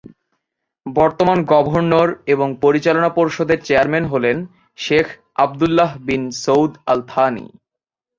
বর্তমান গভর্নর এবং পরিচালনা পর্ষদের চেয়ারম্যান হলেন Sheikh Abdullah bin Saud Al Thani.